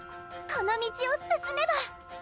この道を進めば。